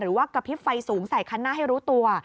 หรือว่ากระพริบไฟสูงใส่ข้างหน้าให้รู้ตัว